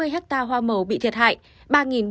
chín mươi hecta hoa màu bị thiệt hại